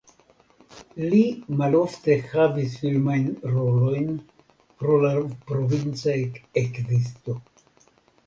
Li malofte havis filmajn rolojn pro la provinca ekzisto.